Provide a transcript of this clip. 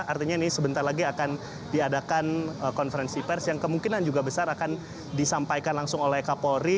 artinya ini sebentar lagi akan diadakan konferensi pers yang kemungkinan juga besar akan disampaikan langsung oleh kapolri